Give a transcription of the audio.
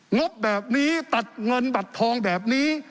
งบแบบนี้ตัดเงินบัตรทองแบบนี้